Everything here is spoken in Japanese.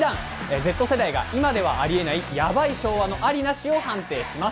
Ｚ世代が今ではありえない、やばい昭和のアリナシを判定します。